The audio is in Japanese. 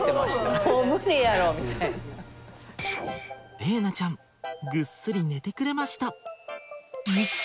玲菜ちゃんぐっすり寝てくれました！